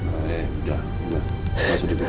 udah udah langsung di bpd